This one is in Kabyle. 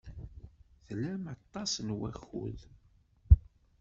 Tlam aṭas n wakud.